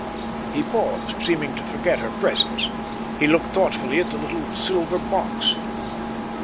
He paused, seeming to forget her presence. He looked thoughtfully at the little silver box.